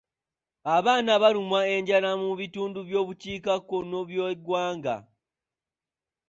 Abaana balumwa enjala mu bitundu by'obukiikakkono by'eggwanga.